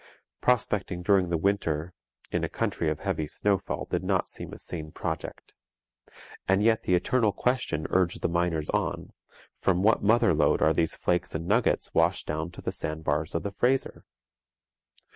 Prospecting during the winter in a country of heavy snowfall did not seem a sane project. And yet the eternal question urged the miners on: from what mother lode are these flakes and nuggets washed down to the sand bars of the Fraser?